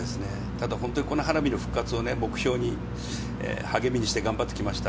ただ、本当にこの花火の復活を目標に励みにして頑張ってきました。